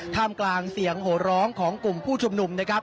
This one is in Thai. ท่ามกลางเสียงโหร้องของกลุ่มผู้ชมหนุ่ม